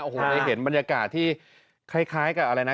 โอ้โหได้เห็นบรรยากาศที่คล้ายกับอะไรนะ